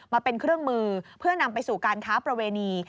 มาเป็นเครื่องมือเพื่อนำไปสู่การค้าประเวณี